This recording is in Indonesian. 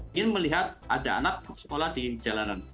ingin melihat ada anak sekolah di jalanan